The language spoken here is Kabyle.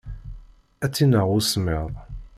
Ad tt-ineɣ usemmiḍ.